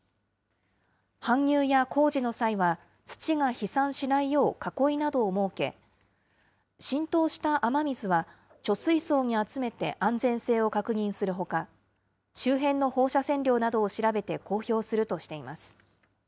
搬入や工事の際は、土が飛散しないよう囲いなどを設け、浸透した雨水は貯水槽に集めて安全性を確認するほか、周辺の放射線量などを調べて公表するとしています。